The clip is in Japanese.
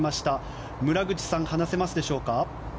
村口さん話せますでしょうか。